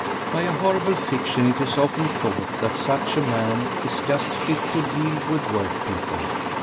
By a horrible fiction it is often thought that such a man is "just fit to deal with workpeople."